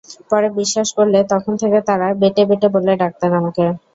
পরে বিশ্বাস করলে তখন থেকে তাঁরা বেঁটে বেঁটে বলে ডাকতেন আমাকে।